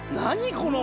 この。